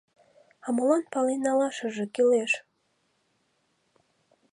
А молан пален налашыже кӱлеш?..